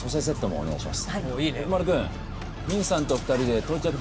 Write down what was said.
お願いします